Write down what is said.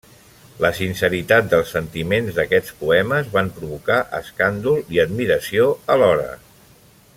La sinceritat dels sentiments d’aquests poemes van provocar escàndol i admiració a l’hora.